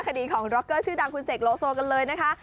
คดีของร็อกเกอร์ชื่อดังคุณเสกโลโซกันเลยนะคะ